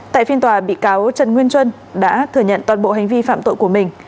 tại phiên tòa bị cáo trần nguyên trân đã thừa nhận toàn bộ hành vi phạm tội của mình